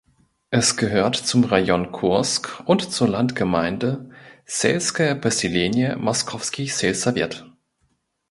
Es gehört zum Rajon Kursk und zur Landgemeinde "(selskoje posselenije) Mokowski selsowjet".